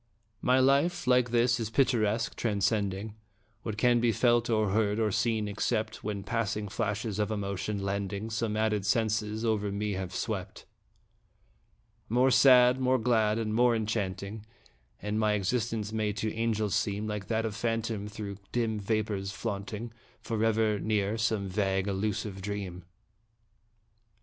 My life, like his, is picturesque, transcending What can be felt, or heard, or seen, except When passing flashes of emotion, lending Some added senses, over me have swept. More sad, more glad, and more enchanting And my existence may to angels seem Like that of phantom through dim vapors flaunting, Forever near some vague, elusive dream.